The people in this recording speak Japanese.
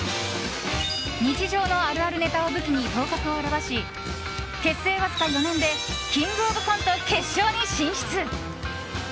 日常のあるあるネタを武器に頭角を現し結成わずか４年で「キングオブコント」決勝に進出。